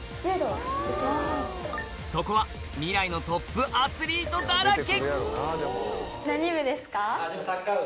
そこは未来のトップアスリートだらけ